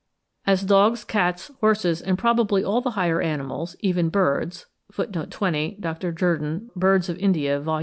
As dogs, cats, horses, and probably all the higher animals, even birds (20. Dr. Jerdon, 'Birds of India,' vol.